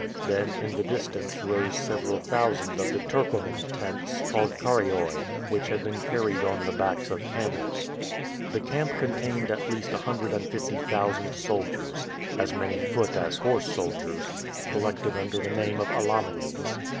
Then in the distance rose several thousand of the Turcoman tents, called "karaoy," which had been carried on the backs of camels. The camp contained at least a hundred and fifty thousand soldiers, as many foot as horse soldiers, collected under the name of Alamanes.